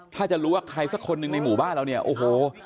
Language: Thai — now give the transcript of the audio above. ถ้าจะรู้ว่าใครสักคนหนึ่งในหมู่บ้านเราเนี่ยโอ้โห